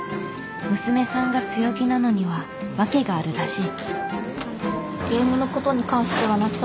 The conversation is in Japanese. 娘さんが強気なのには訳があるらしい。